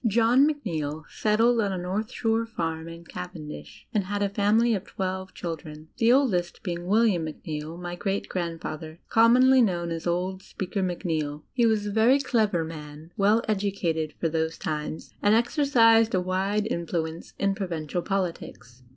John Macneill setded on a north shore farm in Caven dish and had a family of twelve children, the oldest being William Macneill, my greai grandfaiher, commonly known as "Old Speaker Macneill." He was a very clever man, well educated for those times, and exercised a wide influence in provincial politics.